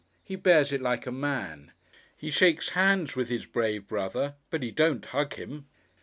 He bears it like a man. He shakes hands with his brave brother, but he don't hug him.